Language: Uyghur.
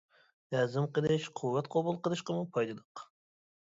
ھەزىم قىلىش، قۇۋۋەت قوبۇل قىلىشقىمۇ پايدىلىق.